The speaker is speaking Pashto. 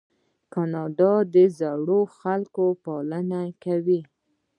کاناډا د زړو خلکو پالنه کوي.